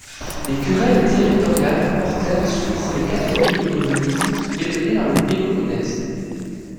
Les querelles territoriales portèrent sur les quatre villes que Venise détenait dans le Péloponnèse.